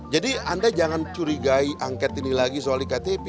jadi anda jangan curigai angket ini lagi soal ktp